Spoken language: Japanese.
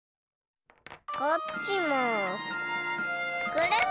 こっちもくるん。